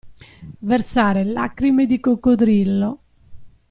Versare lacrime di coccodrillo.